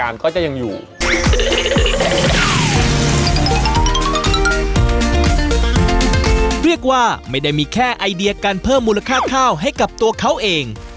เรียกว่าไม่ได้มีแค่ไอเดียการเพิ่มมูลค่าข้าวให้กับตัวเขาเอง